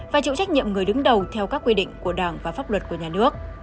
và chịu trách nhiệm người đứng đầu theo các quy định của đảng và pháp luật của nhà nước